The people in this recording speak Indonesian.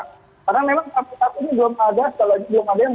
karena memang saat ini belum ada yang bisa kami konfirmasi mengenai hal ini monika